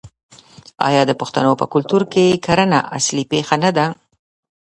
آیا د پښتنو په کلتور کې کرنه اصلي پیشه نه ده؟